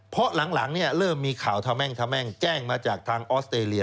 เพราะหลังเริ่มมีข่าวแจ้งมาจากทางออสเตรเลีย